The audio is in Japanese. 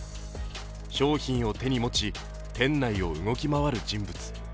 商品を手に持ち店内を動き回る人物。